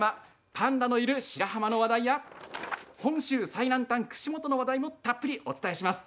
パンダのいる白浜の話題や本州最南端の串本町の話題もたっぷりお伝えします。